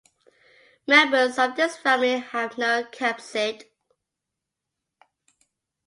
Members of this family have no capsid.